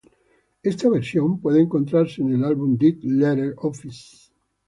Esta versión puede encontrarse en el álbum "Dead Letter Office".